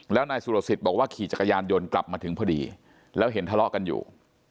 แล้วนายสุรสิทธิ์บอกว่าขี่จักรยานยนต์กลับมาถึงพอดีแล้วเห็นทะเลาะกันอยู่